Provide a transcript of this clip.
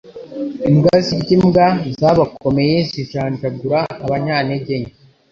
Imbwa zirya imbwa, zabakomeye zijanjagura abanyantege nke.